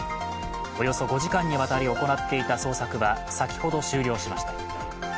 およそ５時間にわたり行っていた捜索は先ほど終了しました。